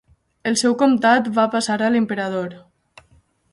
El seu comtat va passar a l'emperador.